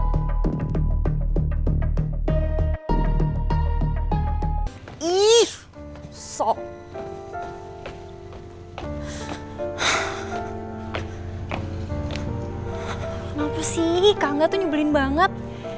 kenapa sih kangga tuh nyebelin banget